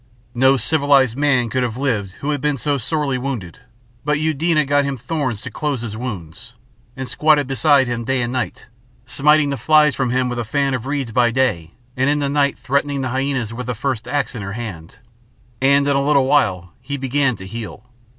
No civilised man could have lived who had been so sorely wounded, but Eudena got him thorns to close his wounds, and squatted beside him day and night, smiting the flies from him with a fan of reeds by day, and in the night threatening the hyænas with the first axe in her hand; and in a little while he began to heal.